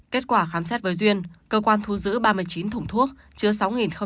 kết quả khám xét với duyên cơ quan thu giữ ba mươi chín thủng thuốc chứa sáu hai mươi hai lọ